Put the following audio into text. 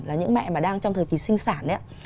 là những mẹ mà đang trong thời kì sinh sản ấy